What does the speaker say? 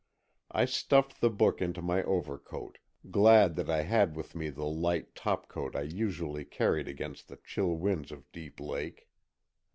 I stuffed the book into my overcoat, glad that I had with me the light topcoat I usually carried against the chill winds of Deep Lake.